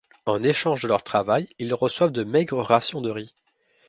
En échange de leur travail, il reçoivent de maigres rations de riz.